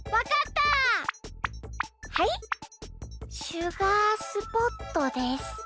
シュガースポットです。